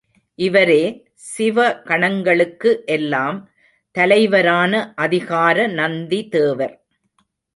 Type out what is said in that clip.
இவரே சிவ கணங்களுக்கு எல்லாம் தலைவரான அதிகார நந்திதேவர்.